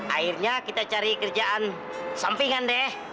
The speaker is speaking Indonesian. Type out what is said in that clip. akhirnya kita cari kerjaan sampingan deh